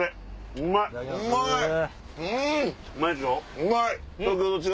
うまい。